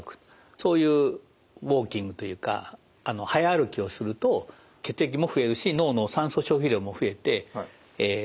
そういうウォーキングというか早歩きをすると血液も増えるし脳の酸素消費量も増えて神経の栄養因子が出るわけです。